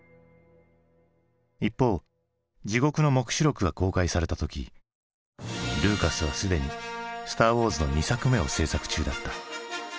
一方「地獄の黙示録」が公開された時ルーカスはすでに「スター・ウォーズ」の２作目を製作中だった。